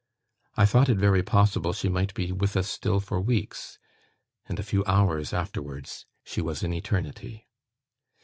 I thought it very possible she might be with us still for weeks; and a few hours afterwards, she was in eternity.